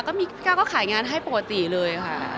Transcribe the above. ที่พี่เกล้าก็ขายงานให้ปกติเลยค่ะ